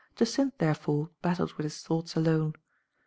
Jacynth therefore battled with his thoughts alone.